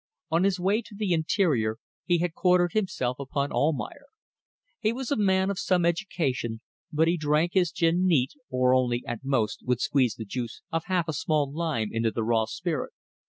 On his way to the interior he had quartered himself upon Almayer. He was a man of some education, but he drank his gin neat, or only, at most, would squeeze the juice of half a small lime into the raw spirit.